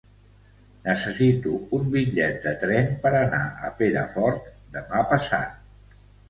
Necessito un bitllet de tren per anar a Perafort demà passat.